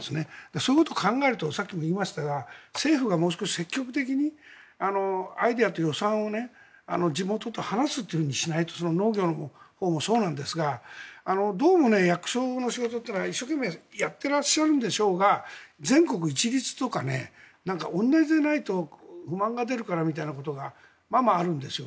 そういうことを考えるとさっきも言いましたが政府がもう少し積極的にアイデアと予算を地元と話すようにしないと農業のほうもそうですがどうも役所の仕事というのは一生懸命やってらっしゃるんでしょうが全国一律とか、同じでないと不満が出るからみたいなことがままあるんですよ。